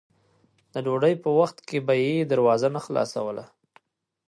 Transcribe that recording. د ډوډۍ په وخت کې به یې دروازه نه خلاصوله.